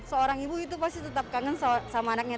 seorang ibu itu pasti tetap kangen sama anaknya